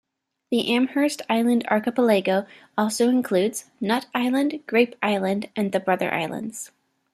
The Amherst Island archipelago also includes: Nut Island, Grape Island and the Brother Islands.